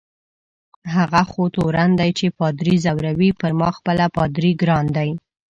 هغه خو تورن دی چي پادري ځوروي، پر ما خپله پادر ګران دی.